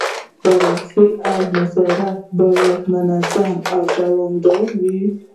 بررسي او نظارت باید منظم او دوامداره وي.